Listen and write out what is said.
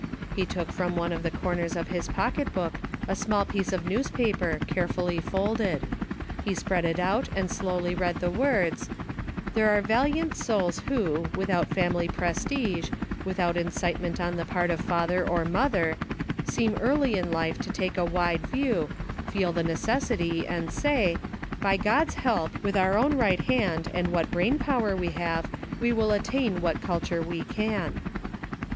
He took from one of the corners of his pocket book a small piece of newspaper, carefully folded ; he spread it out and slowly read the words: "There are valiant souls who, without family prestige, without incite ment on the part of father or mother, seem early in life to take a wide view, feel the necessity and say :* By God's help, with our own right hand and what brain power we have, we will attain what culture we can.'"